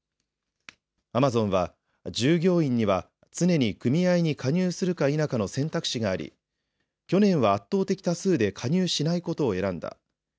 アマゾンは従業員には常に組合に加入するか否かの選択肢があり、去年は圧倒的多数で加入しないことを選んだ。